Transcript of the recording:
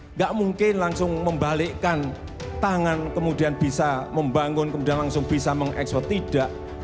tidak mungkin langsung membalikkan tangan kemudian bisa membangun kemudian langsung bisa mengekspor tidak